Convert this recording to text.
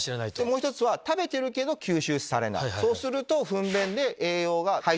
もう１つは食べてるけど吸収されない。